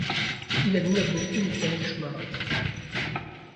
Il admire beaucoup Michael Schumacher.